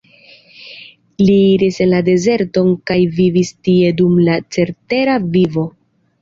Li iris en la dezerton kaj vivis tie dum la cetera vivo.